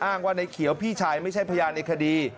ว่าในเขียวพี่ชายไม่ใช่พยานในคดี